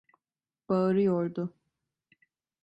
Bağırıyordu.